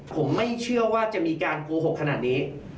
ผมไม่เชื่อว่าจะมีการโกหกขนาดนี้